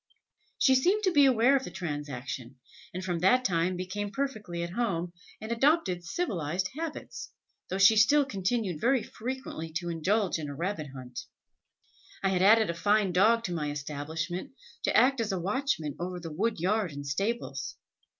She seemed to be aware of the transaction, and from that time became perfectly at home, and adopted civilised habits, though she still continued very frequently to indulge in a rabbit hunt. I had added a fine dog to my establishment, to act as a watchman over the wood yard and stables.